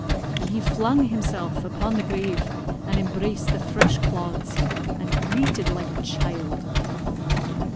"An' he flung himsel' upon the grave and embraced the fresh clods, and greeted like a child.